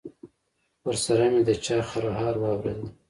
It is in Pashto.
ورسره مې د چا خرهار واورېدل.